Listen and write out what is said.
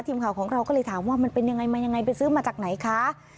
ทีมข่าวของเราก็เลยถามว่ามันเป็นยังไงมายังไงไปซื้อมาจากไหนคะ